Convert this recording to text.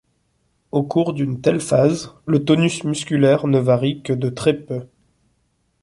Au cours d'une telle phase, le tonus musculaire ne varie que de très peu.